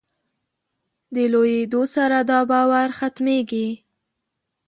د لویېدو سره دا باور ختمېږي.